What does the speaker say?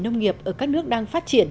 nông nghiệp ở các nước đang phát triển